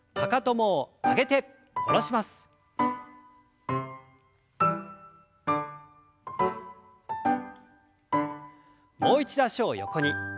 もう一度脚を横に。